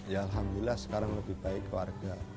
ya alhamdulillah sekarang lebih baik warga